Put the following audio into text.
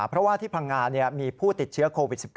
เพราะว่าที่พังงามีผู้ติดเชื้อโควิด๑๙